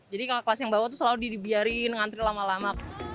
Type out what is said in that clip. jadi kalau kelas yang bawa tuh selalu dibiarin ngantri lama lama